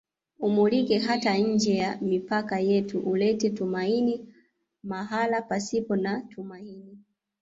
Umulike hata nje ya mipaka yetu ulete tumaini mahala pasipo na tumaini